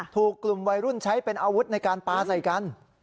ถูกกลุ่มวัยรุ่นใช้เป็นอาวุธในการปลาใส่กัน